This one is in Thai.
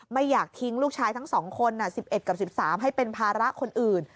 ไม่อยากทิ้งลูกชายทั้ง๒คน๑๑กับ๑๓ให้เป็นภาระคนอื่น